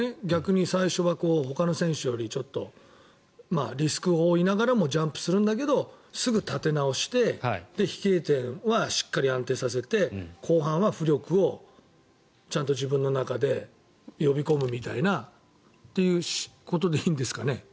逆に最初はほかの選手よりちょっとリスクを負いながらもジャンプするんだけどすぐ立て直して飛型点はしっかり安定させて後半は浮力をちゃんと自分の中で呼び込むみたいなということでいいんですかね？